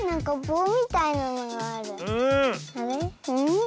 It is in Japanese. うん。